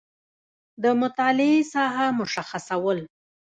د مطالعې ساحه مشخصول